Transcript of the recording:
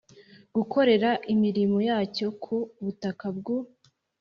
gukorera imirimo yacyo ku butaka bw u